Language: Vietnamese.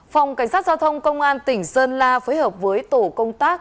phòng cảnh sát giao thông công an tỉnh sơn la phối hợp với tổ công tác